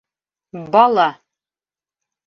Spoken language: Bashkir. Бала!